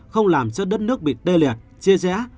không làm cho đất nước bị tê liệt chia rẽ